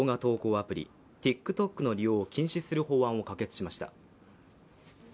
アプリＴｉｋＴｏｋの利用を禁止する法案を可決しました。